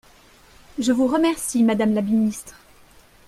Je vous remercie, madame la ministre